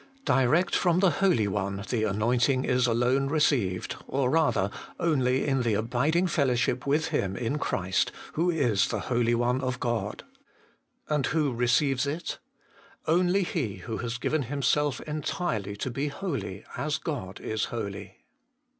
Direct from the Holy One, the anointing is alone received, or rather, only in the abiding fellow ship with Him in Christ, who is the Holy One of God. And who receives it ? Only he who has given him self entirely to be holy as God is holy.